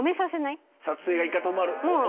撮影が１回止まる。